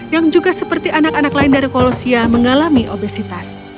yang juga seperti anak anak lain dari kolosia mengalami obesitas